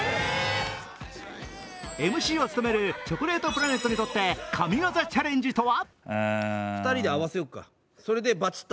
ＭＣを務めるチョコレートプラネットにとって、神業チャレンジとは？